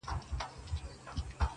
خو زړې کيسې ژوندۍ پاتې دي,